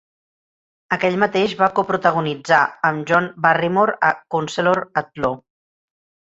Aquell mateix va coprotagonitzar amb John Barrymore a "Counsellor at Law".